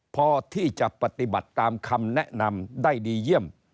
พอที่จะปฏิบัติตามคำแนะนำได้ดีเยี่ยม